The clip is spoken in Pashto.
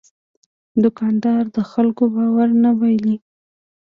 دوکاندار د خلکو باور نه بایلي.